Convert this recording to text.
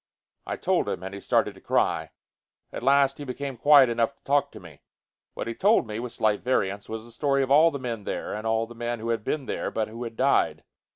I told him, and he started to cry. At last he became quiet enough to talk to me. What he told me, with slight variants, was the story of all the men there and all the men who had been there but who had died.